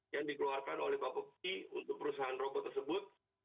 yang dikeluarkan oleh pak bukti untuk perusahaan robot tersebut